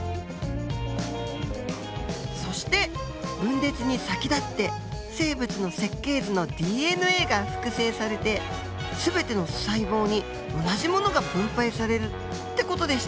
そして分裂に先立って生物の設計図のＤＮＡが複製されて全ての細胞に同じものが分配されるって事でした。